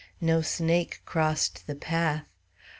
No snake crossed the path.